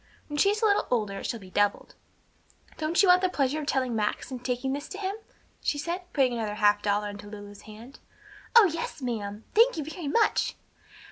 When she is a little older it shall be doubled. Don't you want the pleasure of telling Max, and taking this to him?" she asked, putting another half dollar into Lulu's hand. "Oh yes, ma'am! Thank you very much!"